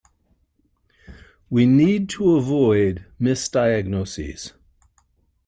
We need to avoid misdiagnoses.